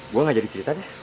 gue gak jadi cerita nih